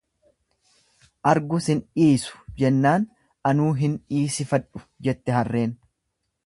Argu sin dhiisu jennaan anuu hin dhiisifadhu, jette harreen.